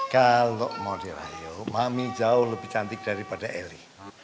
kalau mau dirayu mami jauh lebih cantik daripada eli